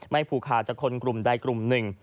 ผูกขาดจากคนกลุ่มใดกลุ่มหนึ่ง